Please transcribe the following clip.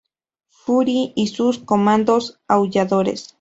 Fury y sus Comandos Aulladores".